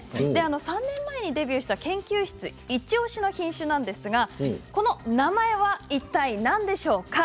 ３年前にデビューした研究室イチおしの品種なんですがこの名前はいったい何でしょうか。